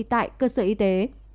tại cơ sở y tế